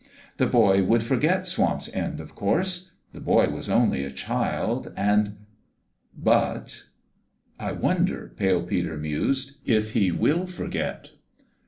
The boy would for get Swamp's End, of course ; the boy was only a child, and But " I wonder," Pale Peter mused, " if he willior get!"